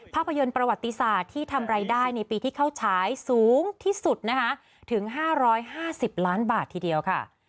ภาพยนตร์ประวัติศาสตร์ที่ทำรายได้ในปีที่เข้าฉายสูงที่สุดนะคะถึง๕๕๐ล้านบาททีเดียวค่ะ